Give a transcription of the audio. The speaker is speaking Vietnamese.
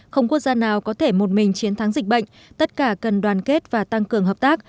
không quốc gia nào có thể một mình chiến thắng dịch bệnh tất cả cần đoàn kết và tăng cường hợp tác